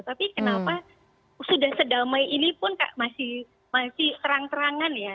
tapi kenapa sudah sedamai ini pun masih terang terangan ya